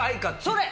それ！